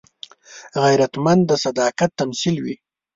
غیرتمند د صداقت تمثیل وي